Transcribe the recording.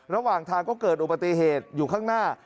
ระหว่างทางก็เกิดอุบัติเหตุอยู่ข้างหน้า